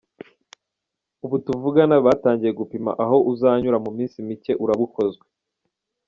Ubu tuvugana batangiye gupima aho uzanyura mu minsi mike uraba ukozwe.